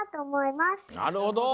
なるほど。